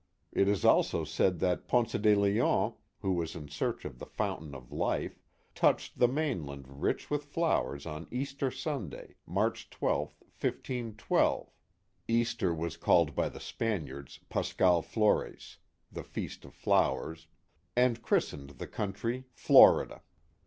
It is also said that Ponce de Leon, who was in search of the fountain of life, touched the mainland rich with flowers on Easter Sunday, March 12, 15 12 (Easter was called by the Spaniards, Pasqual Flores — the Feast of Flowers), and christened the country Florida.